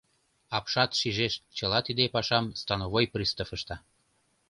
Апшат шижеш: чыла тиде пашам становой пристав ышта.